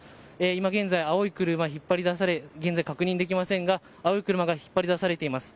今現在青い車が引っ張り出され確認はできませんが青い車が引っ張り出されています。